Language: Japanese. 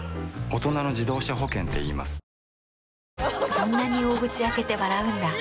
そんなに大口開けて笑うんだ。